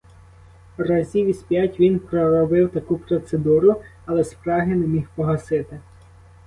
Разів із п'ять він проробив таку процедуру, але спраги не міг погасити.